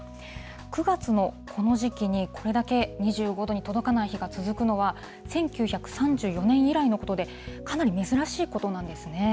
９月のこの時期に、これだけ２５度に届かない日が続くのは、１９３４年以来のことで、かなり珍しいことなんですね。